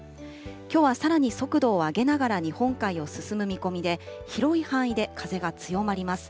きょうはさらに速度を上げながら日本海を進む見込みで、広い範囲で風が強まります。